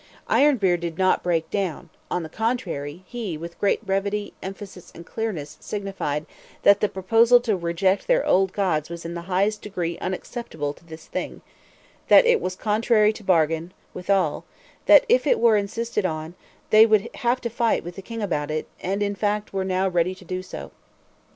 Ironbeard did not break down; on the contrary, he, with great brevity, emphasis, and clearness, signified "that the proposal to reject their old gods was in the highest degree unacceptable to this Thing; that it was contrary to bargain, withal; so that if it were insisted on, they would have to fight with the king about it; and in fact were now ready to do so."